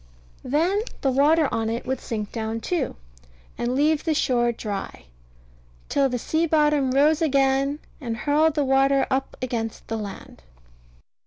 Then the water on it would sink down too, and leave the shore dry; till the sea bottom rose again, and hurled the water up again against the land.